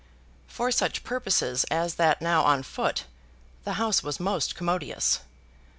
For such purposes as that now on foot the house was most commodious.